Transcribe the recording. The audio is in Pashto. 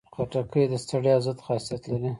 خټکی د ستړیا ضد خاصیت لري.